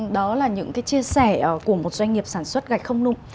đó là những cái chia sẻ của một doanh nghiệp sản xuất gạch không nung